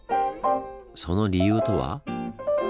その理由とは？